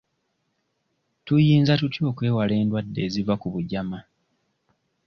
Tuyinza tutya okwewala endwadde eziva ku bugyama?